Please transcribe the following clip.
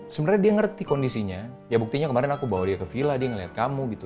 sebenarnya dia ngerti kondisinya ya buktinya kemarin aku bawa dia ke villa dia ngeliat kamu gitu